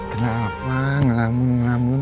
kenapa ngelamun ngelamun